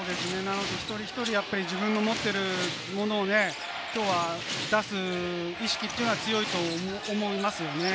一人一人、自分の持ってるものをきょうは出す意識というのは強いと思いますよね。